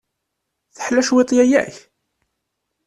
Teḥla cwiṭ yaya-k?